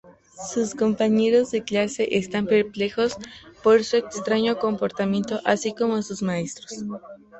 Sus compañeros de clase están perplejos por su extraño comportamiento, así como sus maestros.